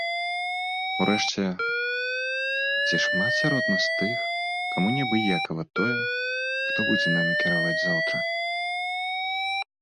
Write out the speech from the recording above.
Урэшце ці шмат сярод нас тых, каму неабыякава тое, хто будзе намі кіраваць заўтра?